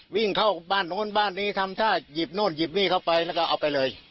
วิ่งเข้าบ้านนู้นบ้านนี้ทำท่าหยิบโน่นหยิบนี่เข้าไปแล้วก็เอาไปเลย